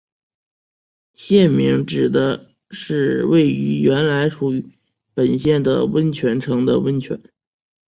县名指的是位于原来属于本县的温泉城的温泉。